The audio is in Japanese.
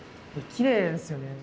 きれいですよね。